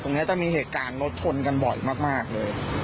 ตรงเนี้ยจะมีเหตุการณ์รถทนกันบ่อยมากมากเลย